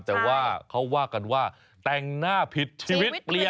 แต่ว่าเขาว่ากันว่าแต่งหน้าผิดชีวิตเปลี่ยน